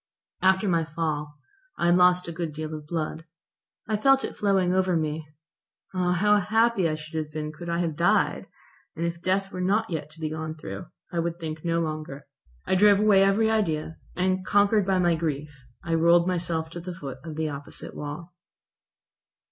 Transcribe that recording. After my fall I had lost a good deal of blood. I felt it flowing over me. Ah! how happy I should have been could I have died, and if death were not yet to be gone through. I would think no longer. I drove away every idea, and, conquered by my grief, I rolled myself to the foot of the opposite wall.